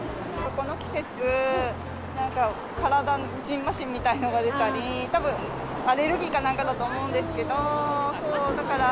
この季節、なんか体にじんましんみたいなのが出たり、たぶんアレルギーかなんかだと思うんですけど、そう、だから。